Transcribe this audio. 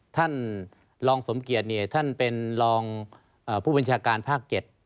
ท่านรองสมเกียจท่านเป็นรองผู้บัญชาการภาค๗